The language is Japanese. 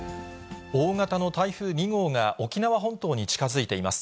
大型の台風２号が、沖縄本島に近づいています。